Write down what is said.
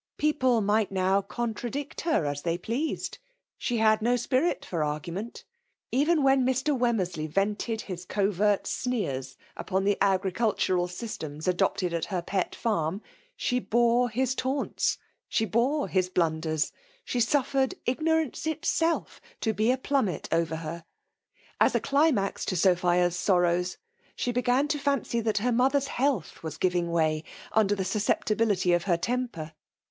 People might now contradict her ok they pkased, — she had no spirit for argument* Even when Mr. Wemmersley vented his coveni sneers upon the agricultural system adopted an her pet farm, she bore his taunts, — ^e ban his blunders ;— ^she suffered ign(»rance itself to be a plummet over her ! As a climax to So]^iia*s sorrows, she began to fancy that her mother's health was giving way under the susceptibility of her temper.